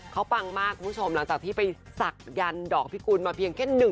เขาปังมากคุณผู้ชมหลังจากที่ไปศักดิ์ดอกพิกุลมาเพียงแค่